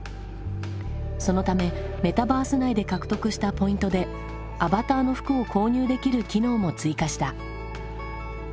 そのためメタバース内で獲得したポイントでアバターの服を購入できる機能も追加した。